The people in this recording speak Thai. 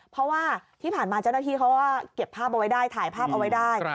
เพราะว่าที่ผ่านมาเจ้าหน้าที่เขาก็เก็บภาพเอาไว้ได้ถ่ายภาพเอาไว้ได้